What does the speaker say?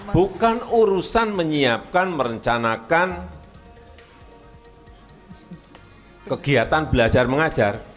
bukan urusan menyiapkan merencanakan kegiatan belajar mengajar